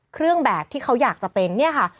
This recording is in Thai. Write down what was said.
เครื่องแบบที่เขาอยากจะเป็นเนี่ยค่ะ